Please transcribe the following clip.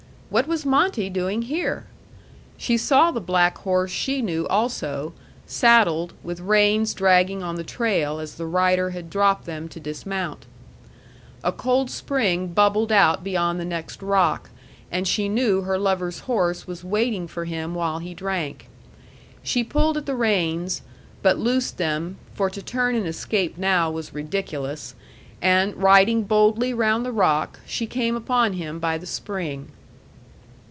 What was Monte doing here? She saw the black horse she knew also, saddled, with reins dragging on the trail as the rider had dropped them to dismount. A cold spring bubbled out beyond the next rock, and she knew her lover's horse was waiting for him while he drank. She pulled at the reins, but loosed them, for to turn and escape now was ridiculous; and riding boldly round the rock, she came upon him by the spring.